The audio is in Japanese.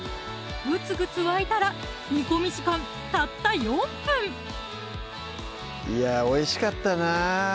ぐつぐつ沸いたら煮込み時間たった４分いやおいしかったなぁ